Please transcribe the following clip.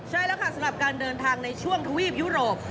ใช่แล้วค่ะสำหรับการเดินทางในช่วงทวีปยุโรป